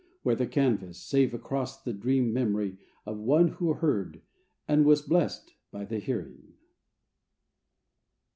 Where the canvas — save across the dream memory of one who heard And was blessed by the hearing.